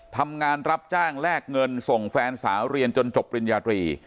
ทำงานรับจ้างแลกเงินส่งแฟนสาวเรียนจนจบปริญญาตรี